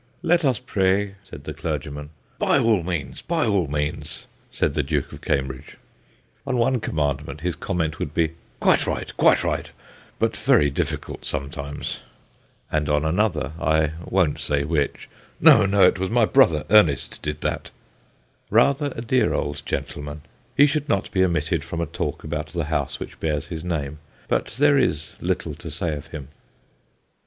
' Let us pray/ said the clergyman :* By all means, by all means/ said the Duke of Cambridge. On one commandment his comment would be, ' Quite right, quite right ; but very difficult sometimes/ and on another I won't say which c No, no ; it was my brother Ernest did that/ Rather a dear old gentleman, he should not be omitted from a talk about the house which bears his name, but there is little to say of him.